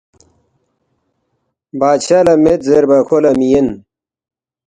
“ بادشاہ لہ مید زیربا کھو لہ سہ مہ یَن